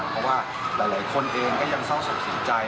เพราะว่าหลายคนเองก็ยังเศร้าสกสินใจ